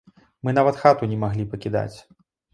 Мы нават хату не маглі пакідаць.